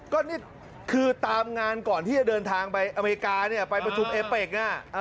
ก็นี่คือตามงานก่อนที่จะเดินทางไปอเมริกาเนี่ยไปประชุมเอเป็ก